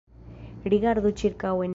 Rigardu ĉirkaŭen.